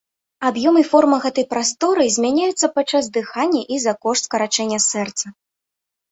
Аб'ём і форма гэтай прасторы змяняюцца падчас дыхання і за кошт скарачэння сэрца.